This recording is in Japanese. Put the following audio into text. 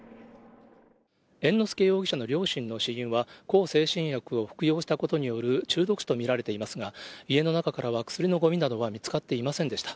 猿之助容疑者の両親の死因は、向精神薬を服用したことによる中毒死と見られていますが、家の中からは薬のごみなどは見つかっていませんでした。